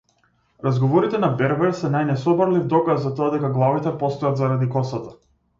Разговорите на бербер се најнесоборлив доказ за тоа дека главите постојат заради косата.